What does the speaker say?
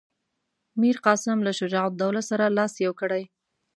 میرقاسم له شجاع الدوله سره لاس یو کړی.